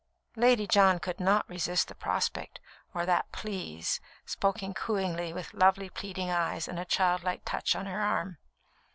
Lady John could not resist the prospect, or that "Please," spoken cooingly, with lovely, pleading eyes and a childlike touch on her arm.